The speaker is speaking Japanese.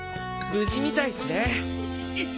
無事みたいっすねえっ？